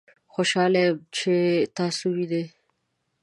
خوشحاله یم چې تاسو وینم